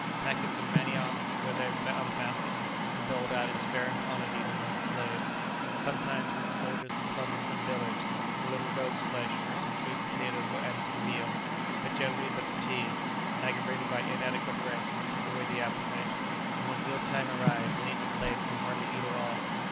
Packets of manioc were then unfastened, and doled out in sparing quantities among the slaves; sometimes, when the soldiers had plundered some village, a little goat's flesh or some sweet potatoes were added to the meal; but generally the fatigue, aggravated by inadequate rest, took away the appetite, and when meal time arrived many of the slaves could hardly eat at all.